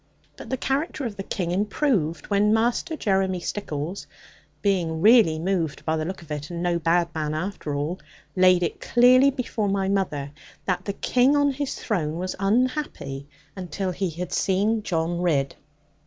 But the character of the King improved, when Master Jeremy Stickles (being really moved by the look of it, and no bad man after all) laid it clearly before my mother that the King on his throne was unhappy, until he had seen John Ridd.